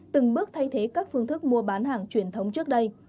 từng bước thay thế các phương thức mua bán hàng truyền thống trước đây